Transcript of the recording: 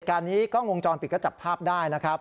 การนี้กล้องวงจรปิดก็จับภาพได้นะครับ